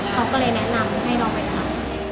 เขาก็เลยแนะนำให้น้องไปทำ